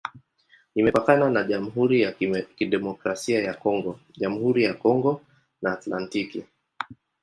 Imepakana na Jamhuri ya Kidemokrasia ya Kongo, Jamhuri ya Kongo na Atlantiki.